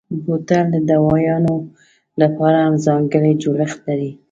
بوتل د دوایانو لپاره هم ځانګړی جوړښت لري.